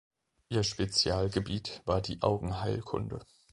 Ihr Spezialgebiet war die Augenheilkunde.